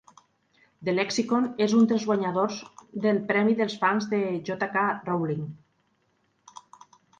The Lexicon és un dels guanyadors del premi dels fans de J. K. Rowling.